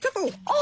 あ！